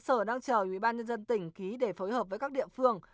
sở đang chờ ubnd tỉnh ký để phối hợp với các địa phương